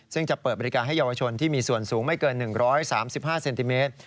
ซึ่งจะเปิดบริการให้เยาวชนที่มีส่วนสูงไม่เกิน๑๓๕เซนติเมตร